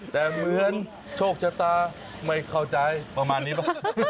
แต่เหมือนโชคชะตาไม่เข้าใจประมาณนี้ป่ะ